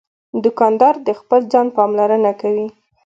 دوکاندار د خپل ځان پاملرنه کوي.